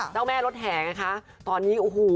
เจ้าแม่รถแห่งานนะคะตอนนี้อู้หู